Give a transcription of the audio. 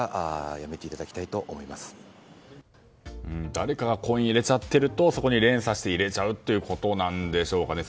誰かがコインを入れちゃってるとそこに連鎖して入れちゃうということなんでしょうかね